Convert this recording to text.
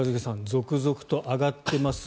続々と上がっています